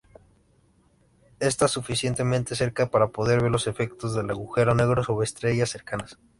Está suficientemente cerca para poder ver los efectos del agujero negro sobre estrellas cercanas.